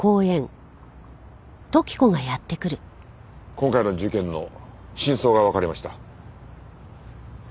今回の事件の真相がわかりました。